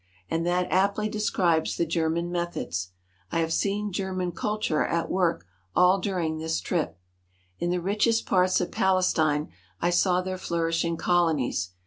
And that aptly describes the German methods. I have seen German Kultur at work all during this trip. In the richest parts of Palestine I saw their flourishing colonies.